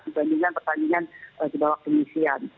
berbandingkan pertandingan di bawah kondisian